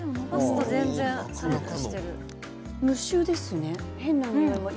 無臭ですね。